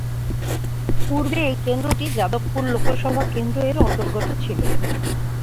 পূর্বে এই কেন্দ্রটি যাদবপুর লোকসভা কেন্দ্র এর অন্তর্গত ছিল।